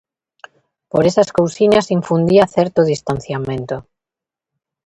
Por esas cousiñas infundía certo distanciamento.